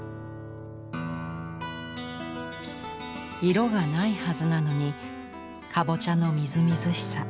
色がないはずなのにカボチャのみずみずしさ